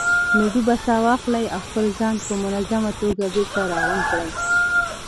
نو ډوبه ساه واخلئ او خپل ځان په منظمه توګه بېرته راغونډ کړئ.